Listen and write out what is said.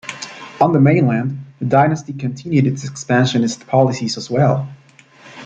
On the mainland, the dynasty continued its expansionist policies as well.